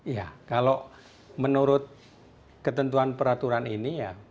ya kalau menurut ketentuan peraturan ini ya